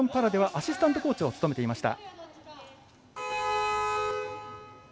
ロンドンではアシスタントコーチを務めていました。